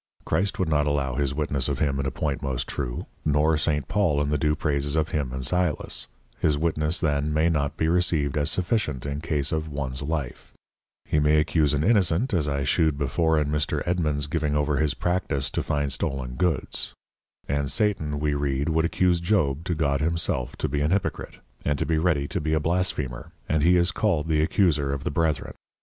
Christ would not allow his Witness of him in a point most true; nor St. Paul in the due Praises of him and Sylas; his Witness then may not be received as sufficient in case of ones Life: He may accuse an Innocent, as I shewed before in Mr. Edmund's giving over his Practice to find Stollen Goods; and Satan we read would accuse Job to God himself to be an Hypocrite, and to be ready to be a Blasphemer, and he is called the Accuser of the Brethren.